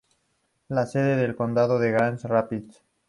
La sede del condado es Grand Rapids.